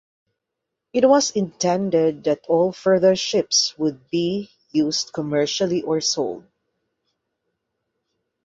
It was intended that all further ships would be used commercially or sold.